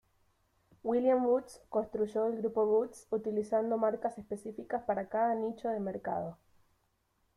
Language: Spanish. William Rootes construyó el Grupo Rootes utilizando marcas específicas para cada nicho de mercado.